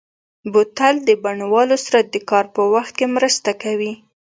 بوتل د بڼوالو سره د کار په وخت کې مرسته کوي.